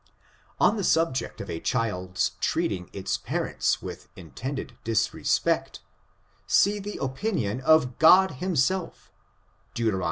On the subject of a child's treating its parents with intended disrespect, see the opinion of God himself, Deut.